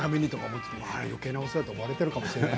よけいなお世話と思われているかもしれない。